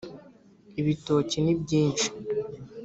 Ibitoki ni byinshi